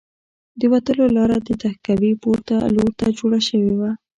د وتلو لاره د تهکوي پورته لور ته جوړه شوې وه